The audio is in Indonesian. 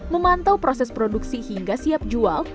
memantau proses produksi hingga siap jual